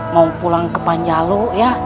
mau pulang ke panyalo ya